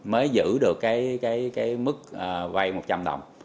mới giữ được cái mức vay một trăm linh đồng